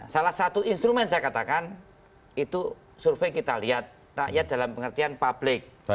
salah satu instrumen saya katakan itu survei kita lihat rakyat dalam pengertian publik